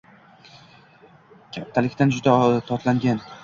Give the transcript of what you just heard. Kattalikdan juda tolganman